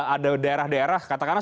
ada daerah daerah katakanlah